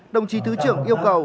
đồng chí thứ trưởng yêu cầu